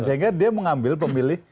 sehingga dia mengambil pemilih